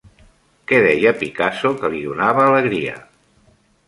Què deia Picasso que li donava alegria?